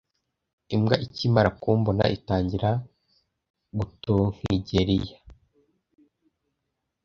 Imbwa ikimara kumbona, itangira gutonkigelia.